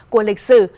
của lịch sử